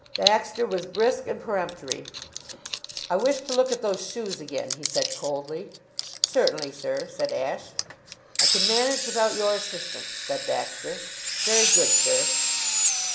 Baxter was brisk and peremptory. "I wish to look at those shoes again," he said coldly. "Certainly, sir," said Ashe. "I can manage without your assistance," said Baxter. "Very good, sir."